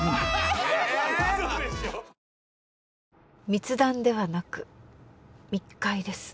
密談ではなく密会です。